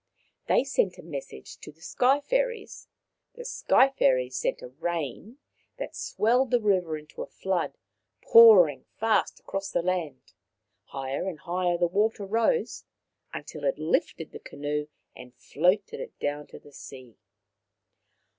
They sent a message to the Sky fairies ; the Sky fairies sent a rain that swelled the river into a flood pouring fast across the land. Higher and higher the water rose, until it lifted the canoe and floated it down to the sea.